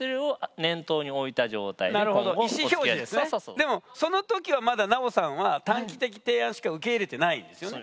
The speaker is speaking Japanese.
でもその時はまだ奈緒さんは短期的提案しか受け入れてないんですよね？